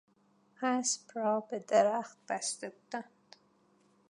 اسب را به درخت بسته بودند.